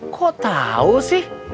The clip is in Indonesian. kok tau sih